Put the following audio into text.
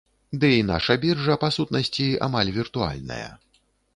Ды і наша біржа, па сутнасці, амаль віртуальная.